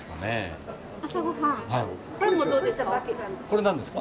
これなんですか？